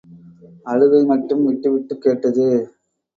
அழுகை மட்டும் விட்டு விட்டுக் கேட்டது.